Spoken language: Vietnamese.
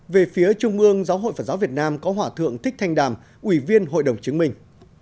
về phía trung ương giáo hội phật giáo việt nam có hòa thượng thích thanh đàm ủy viên hội đồng chứng minh